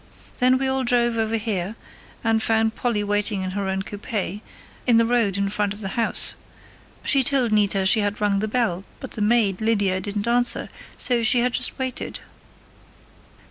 Then we all drove over here, and found Polly waiting in her own coupe, in the road in front of the house. She told Nita she had rung the bell, but the maid, Lydia, didn't answer, so she had just waited.